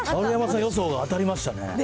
丸山さん予想が当たりましたね。